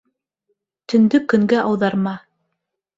Төндө көнгә ауҙарма.